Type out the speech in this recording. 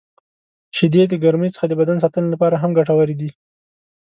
• شیدې د ګرمۍ څخه د بدن ساتنې لپاره هم ګټورې دي.